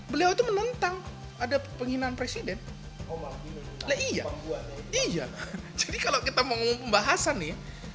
beliau itu menentang ada penghinaan presiden oh iya iya jadi kalau kita mau pembahasan nih